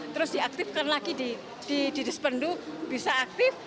terus diaktifkan lagi di dispendu bisa aktif